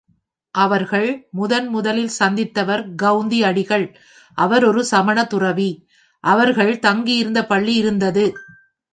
அவர்கள் முதன் முதலில் சந்தித்தவர் கவுந்தி அடிகள் அவர் ஒரு சமணத்துறவி, அவர்கள் தங்கி இருந்த பள்ளி இருந்தது.